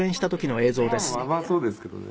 「そうですけどね。